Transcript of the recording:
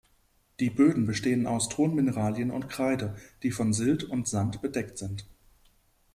Die Böden bestehen aus Tonmineralen und Kreide, die von Silt und Sand bedeckt sind.